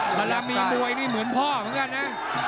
เวลามีมวยนี่เหมือนพ่อเหมือนกันนะ